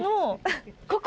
ここ？